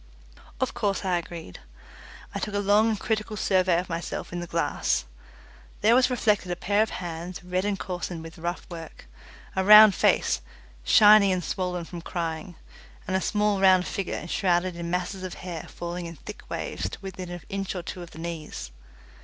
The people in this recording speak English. Of course I agreed. I took a long and critical survey of myself in the glass. There was reflected a pair of hands, red and coarsened with rough work, a round face, shiny and swollen with crying, and a small round figure enshrouded in masses of hair falling in thick waves to within an inch or two of the knees.